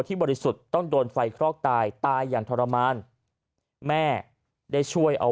บริสุทธิ์ต้องโดนไฟคลอกตายตายอย่างทรมานแม่ได้ช่วยเอา